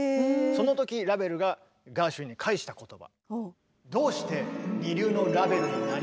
その時ラヴェルがガーシュウィンに返した言葉。